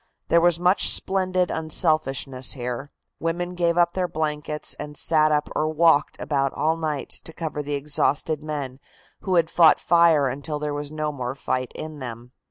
There was much splendid unselfishness here. Women gave up their blankets and sat up or walked about all night to cover the exhausted men who had fought fire until there was no more fight in them.